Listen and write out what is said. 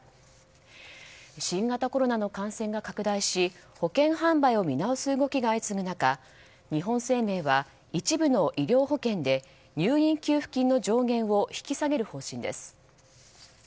新型コロナの感染が拡大し保険販売を見直す動きが相次ぐ中日本生命は、一部の医療保険で入院給付金の上限を引き下げる方針です。